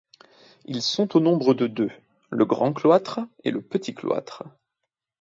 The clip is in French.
Ils sont au nombre de deux: le grand cloître et le petit cloître.